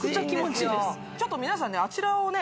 ちょっと皆さんにあちらをね